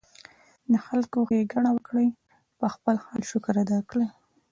د خلکو ښېګړه وکړي ، پۀ خپل حال شکر ادا کړي